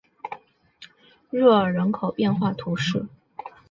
热尔人口变化图示